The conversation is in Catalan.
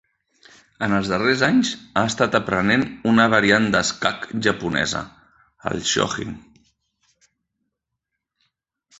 En els darrers anys, ha estat aprenent una variant d'escac japonesa, el shogi.